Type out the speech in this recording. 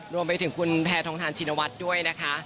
รวมไปถึงคุณแพท้ท้องทางชินวัตรนะคะ